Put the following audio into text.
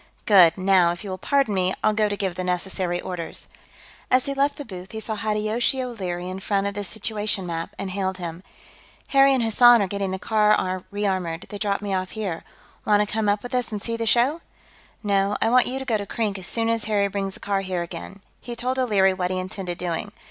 "Good. Now, if you will pardon me, I'll go to give the necessary orders...." As he left the booth, he saw Hideyoshi O'Leary in front of the situation map, and hailed him. "Harry and Hassan are getting the car re ammoed; they dropped me off here. Want to come up with us and see the show?" "No, I want you to go to Krink, as soon as Harry brings the car here again." He told O'Leary what he intended doing.